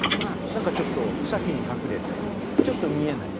何かちょっと草木に隠れてちょっと見えない。